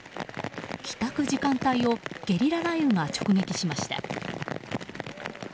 帰宅時間帯をゲリラ雷雨が直撃しました。